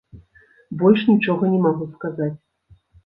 Больш нічога не магу сказаць.